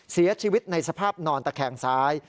เสียชีวิตในสภาพนอนตะแคงซ้าย